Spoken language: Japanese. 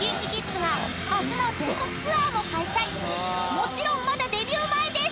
［もちろんまだデビュー前です！］